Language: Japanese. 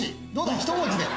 一文字で。